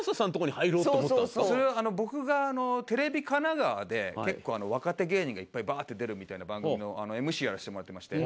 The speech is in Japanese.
それは僕がテレビ神奈川で結構若手芸人がいっぱいバーッて出るみたいな番組のＭＣをやらせてもらってまして。